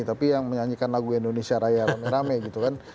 tapi yang menyanyikan lagu indonesia raya rame rame gitu kan